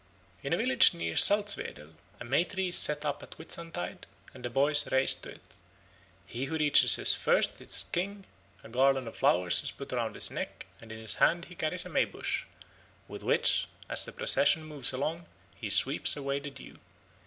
In a village near Salzwedel a May tree is set up at Whitsuntide and the boys race to it; he who reaches it first is king; a garland of flowers is put round his neck and in his hand he carries a May bush, with which, as the procession moves along, he sweeps away the dew.